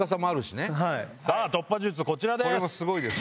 突破術こちらです！